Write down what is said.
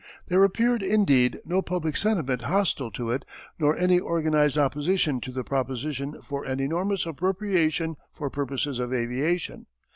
There appeared indeed no public sentiment hostile to it nor any organized opposition to the proposition for an enormous appropriation for purposes of aviation.